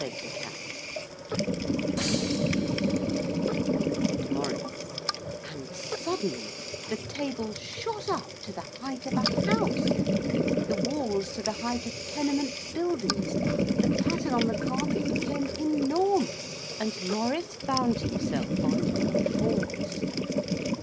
',' said the cat. ',' said Maurice; and suddenly the table shot up to the height of a house, the walls to the height of tenement buildings, the pattern on the carpet became enormous, and Maurice found himself on all fours.